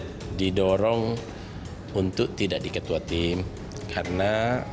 pak jk didorong untuk tidak diketua tim karena